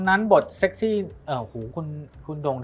มันทำให้ชีวิตผู้มันไปไม่รอด